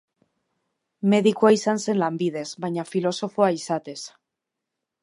Medikua izan zen lanbidez, baina filosofoa izatez.